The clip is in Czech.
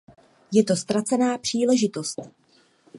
Je to ztracená příležitost.